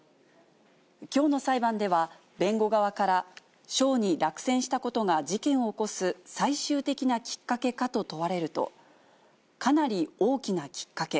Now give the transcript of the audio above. きょうの裁判では、弁護側から賞に落選したことが、事件を起こす最終的なきっかけかと問われると、かなり大きなきっかけ。